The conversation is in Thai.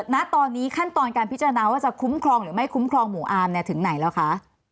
ณตอนนี้ขั้นตอนการพิจารณาว่าจะคุ้มครองหรือไม่คุ้มครองหมู่อาร์มถึงไหนแล้วคะ